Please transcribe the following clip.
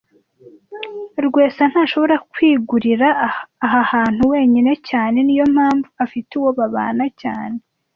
Rwesa ntashobora kwigurira aha hantu wenyine cyane Niyo mpamvu afite uwo babana cyane